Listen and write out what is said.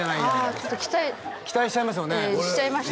ちょっと期待しちゃいました